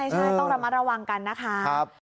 ใช่ต้องระมัดระวังกันนะคะ